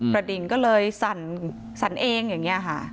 ดิ่งก็เลยสั่นเองอย่างนี้ค่ะ